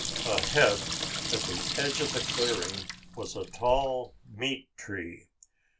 Ahead, at the edge of the clearing, was a tall meat tree.